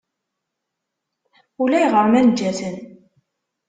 Ulayɣer ma nejja-tent.